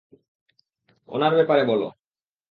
ওনার ব্যাপারে বলো।